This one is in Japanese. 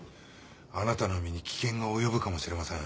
あなたの身に危険が及ぶかもしれません。